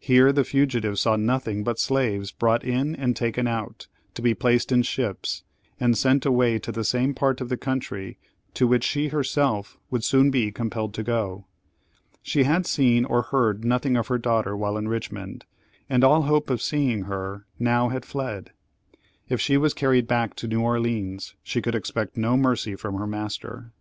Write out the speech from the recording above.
Here the fugitive saw nothing but slaves brought in and taken out, to be placed in ships and sent away to the same part of the country to which she herself would soon be compelled to go. She had seen or heard nothing of her daughter while in Richmond, and all hope of seeing her now had fled. If she was carried back to New Orleans, she could expect no mercy from her master.